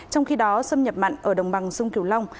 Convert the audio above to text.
trong khi đó xâm nhập mặn ở đồng bằng sông kiều long